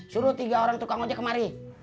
suruh tiga orang tukang ojek kemari